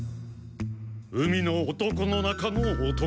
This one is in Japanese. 海の男の中の男だ！